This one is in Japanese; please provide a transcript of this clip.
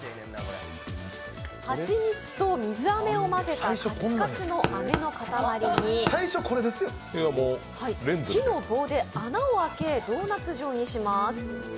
蜂蜜と水あめを混ぜたカチカチのあめの塊に木の棒で穴を開け、ドーナツ状にします。